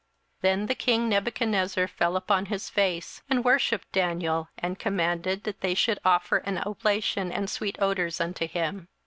27:002:046 Then the king Nebuchadnezzar fell upon his face, and worshipped Daniel, and commanded that they should offer an oblation and sweet odours unto him.